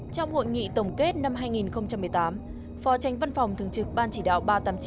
trong hội nghị tổng kết năm hai nghìn một mươi tám phó tranh văn phòng thường trực ban chỉ đạo ba trăm tám mươi chín